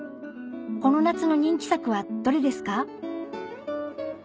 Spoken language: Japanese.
この夏の人気作はどれですか？